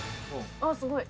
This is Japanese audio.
あっすごい！